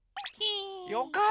よかったね！